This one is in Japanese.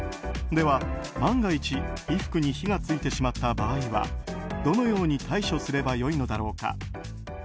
では、万が一衣服に火が付いてしまった場合はどのように対処すればよいのだろうか。